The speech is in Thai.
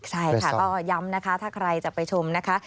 ใช่ค่ะก็ย้ำนะคะถ้าใครจะไปชมนะคะ